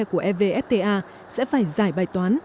của evfta sẽ phải giải bài toán